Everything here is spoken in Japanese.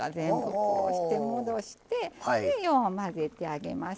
こうして戻してでよう混ぜてあげます。